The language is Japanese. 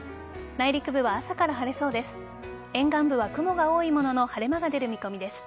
内陸部は朝から晴れそうです。